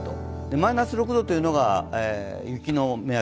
マイナス６度というのが雪の目安。